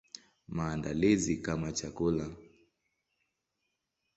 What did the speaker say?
Maandalizi kama chakula.